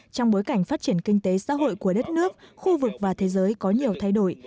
trong bối cảnh phát triển kinh tế xã hội của đất nước khu vực và thế giới có nhiều thay đổi